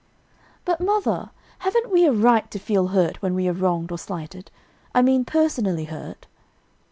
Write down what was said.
"But, mother, haven't we a right to feel hurt when we are wronged or slighted I mean personally hurt?"